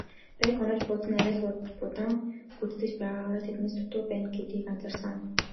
Байг онож буудсан ч арай удаан гүйцэтгэж байгаагаараа тэднээс дутуу байна гэдгийг анзаарсан.